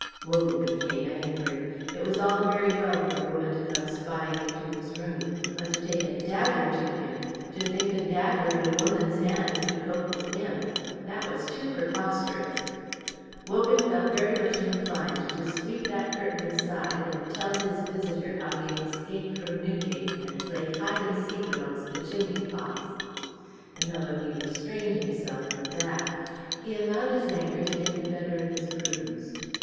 Wogan became angry. It was all very well for the woman to come spying into his room; but to take a dagger to him, to think a dagger in a woman's hand could cope with him, that was too preposterous. Wogan felt very much inclined to sweep that curtain aside and tell his visitor how he had escaped from Newgate and played hide and seek amongst the chimney pots. And although he restrained himself from that, he allowed his anger to get the better of his prudence.